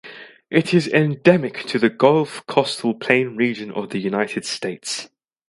It is endemic to the Gulf Coastal Plain region of the United States.